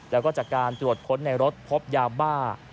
แล้วก็จากการตรวจค้นในรถพบยาบ้า